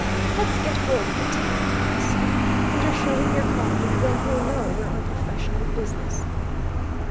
"Let's get hold of the tenant," he said. "Better show him your card, and then he'll know we're on professional business."